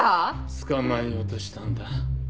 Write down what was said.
捕まえようとしたんだ。